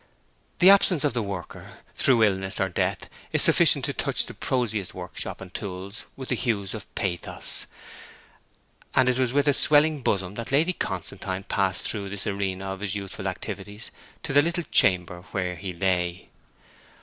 The absence of the worker, through illness or death is sufficient to touch the prosiest workshop and tools with the hues of pathos, and it was with a swelling bosom that Lady Constantine passed through this arena of his youthful activities to the little chamber where he lay.